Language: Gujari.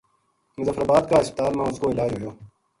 مظفرآباد کا ہسپتال ما اس کو علاج ہویو